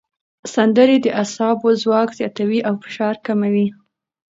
سندرې د اعصابو ځواک زیاتوي او فشار کموي.